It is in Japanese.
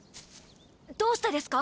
どうしてですか？